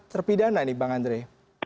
terpidat nah ini bang andri